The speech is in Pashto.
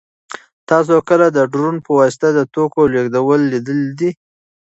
تاسو کله د ډرون په واسطه د توکو لېږدول لیدلي دي؟